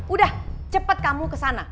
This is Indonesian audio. udah cepet kamu kesana